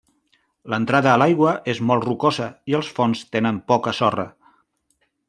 L'entrada a l'aigua és molt rocosa i els fons tenen poca sorra.